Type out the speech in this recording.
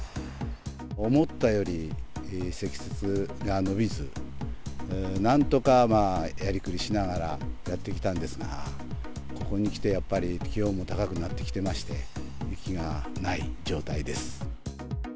思ったより積雪が伸びず、なんとかやりくりしながら、やってきたんですが、ここにきてやっぱり気温も高くなってきてまして、雪がない状態です。